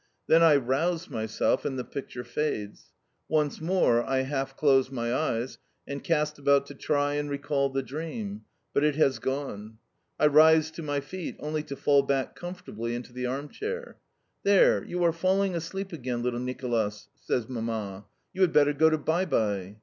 Then I rouse myself, and the picture fades. Once more I half close my eyes, and cast about to try and recall the dream, but it has gone. I rise to my feet, only to fall back comfortably into the armchair. "There! You are failing asleep again, little Nicolas," says Mamma. "You had better go to by by."